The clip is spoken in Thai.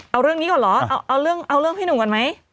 เอาเรื่องนี้ก่อนเหรอเอาเรื่องพี่หนุ่มก่อนไหม